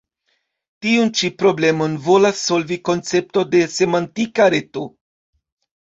Tiun ĉi problemon volas solvi koncepto de Semantika Reto.